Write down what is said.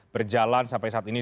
berjalan sampai saat ini